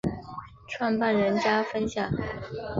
创办人将分享